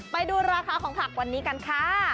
ไปดูราคาของผักวันนี้กันค่ะ